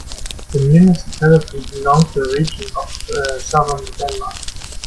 The municipality belong to Region of Southern Denmark.